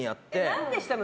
何でしたの？